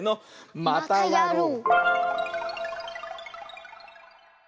またやろう！